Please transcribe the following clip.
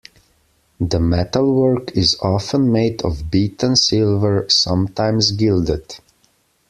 The metalwork is often made of beaten silver, sometimes gilded.